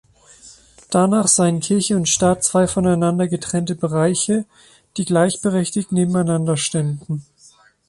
Danach seien Kirche und Staat zwei voneinander getrennte Bereiche, die gleichberechtigt nebeneinander ständen.